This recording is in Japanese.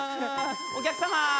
お客様！